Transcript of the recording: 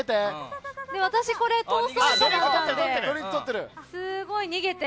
私は逃走者だったのですごい逃げて。